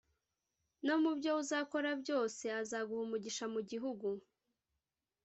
no mu byo uzakora byose; azaguha umugisha mu gihugu